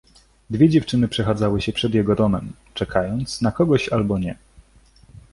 Dwie dziewczyny przechadzały się przed jego domem, czekając na kogoś albo nie.